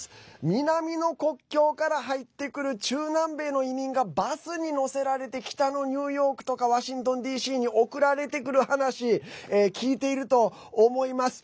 南の国境から入ってくる中南米の移民がバスに乗せられて北のニューヨークとかワシントンＤＣに送られてくる話聞いていると思います。